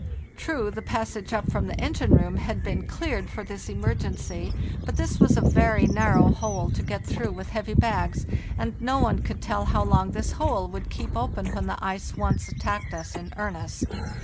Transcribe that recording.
True, the passage up from the engine room had been cleared for this emergency, but this was a very narrow hole to get through with heavy bags, and no one could tell how long this hole would keep open when the ice once attacked us in earnest.